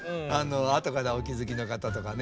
後からお気付きの方とかね。